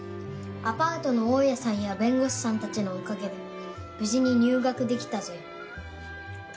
アパートの大家さんや弁護士さんたちのおかげで無事に入学できたぞよ。